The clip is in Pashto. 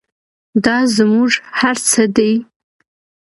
دا زموږ هر څه دی؟